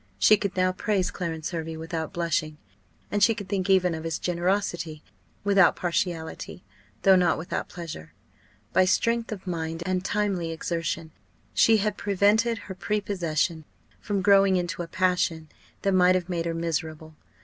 She could now praise Clarence Hervey without blushing, and she could think even of his generosity without partiality, though not without pleasure. By strength of mind, and timely exertion, she had prevented her prepossession from growing into a passion that might have made her miserable.